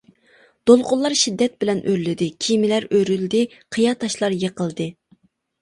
دولقۇنلار شىددەت بىلەن ئۆرلىدى، كېمىلەر ئۆرۈلدى، قىيا تاشلار يىقىلدى.